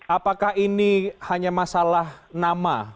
apakah ini hanya masalah nama